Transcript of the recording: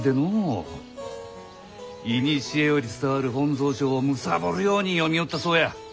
いにしえより伝わる本草書をむさぼるように読みよったそうや。